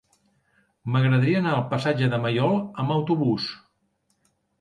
M'agradaria anar al passatge de Maiol amb autobús.